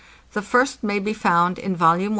The first may be found in Vol. I.